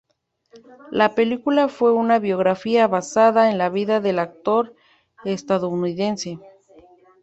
La película fue una biografía basada en la vida del actor estadounidense.